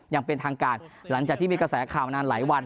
อย่างเป็นทางการหลังจากที่มีกระแสข่าวมานานหลายวัน